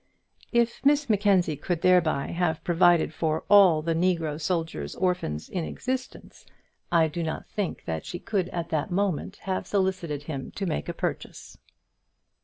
If Miss Mackenzie could thereby have provided for all the negro soldiers' orphans in existence, I do not think that she could at that moment have solicited him to make a purchase.